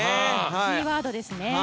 キーワードですね。